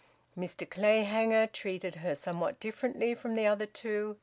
Mr Clayhanger treated her somewhat differently from the other two.